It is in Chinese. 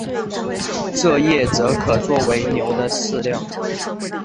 蔗叶则可做为牛的饲料。